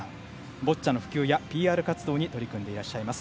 ボッチャの普及やＰＲ活動に取り組んでいらっしゃいます。